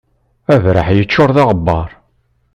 Abraḥ yeččur d aɣebbar.